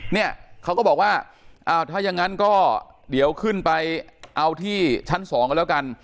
เนี่ยเขาก็บอกว่าอ้าวถ้ายังงั้นก็เดี๋ยวขึ้นไปเอาที่ชั้นสองกันแล้วกัน